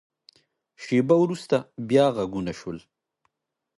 شیبه وروسته، بیا غږونه شول.